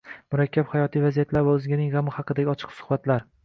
Murakkab hayotiy vaziyatlar va o‘zganing g‘ami haqidagi ochiq suhbatlar